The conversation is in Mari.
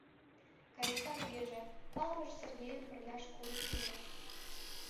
— Кайышна тугеже! — палымыже Сергейым пырля школыш ӱжеш.